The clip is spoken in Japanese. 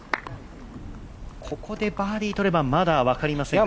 ここでバーディー取ればまだ分かりますよ。